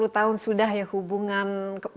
tujuh puluh tahun sudah ya hubungan